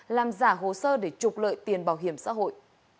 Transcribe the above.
làm giả hồ sơ để trục lợi tiền bảo hiểm xã hội